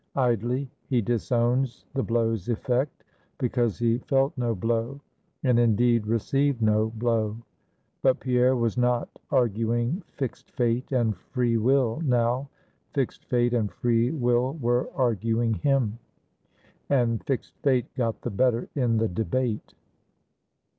Idly he disowns the blow's effect, because he felt no blow, and indeed, received no blow. But Pierre was not arguing Fixed Fate and Free Will, now; Fixed Fate and Free Will were arguing him, and Fixed Fate got the better in the debate.